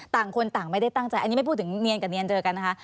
ต่างคนต่างไม่ได้ตั้งใจอันนี้ไม่พูดถึงเนียนกับเนียนเจอกันนะคะ